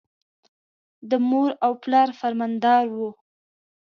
د مور او پلار فرمانبردار و.